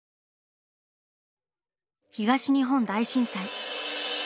東日本大震災。